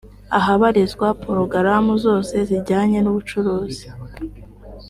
ahabarizwa porogaramu zose zijyanye n’ubucuruzi